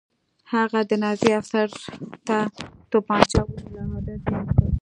هغه د نازي افسر سر ته توپانچه ونیوله او ډز یې وکړ